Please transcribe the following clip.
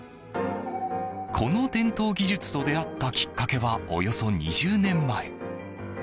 この伝統技術と出会ったきっかけは、およそ２０年前。